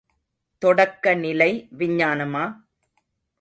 தொடக்க நிலை விஞ்ஞானமா?